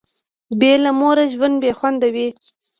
بي له موره ژوند بي خونده وي